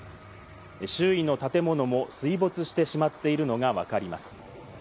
周囲の建物も水没してしまっているのがわかります。